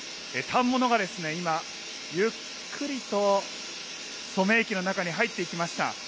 反物が今、ゆっくりと染め液の中に入っていきました。